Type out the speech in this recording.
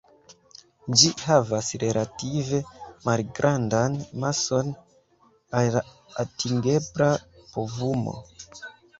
Ĝi havas relative malgrandan mason al la atingebla povumo.